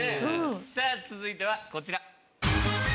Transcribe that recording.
さぁ続いてはこちら。